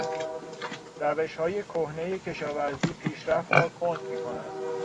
روشهای کهنهی کشاورزی پیشرفت را کند میکند.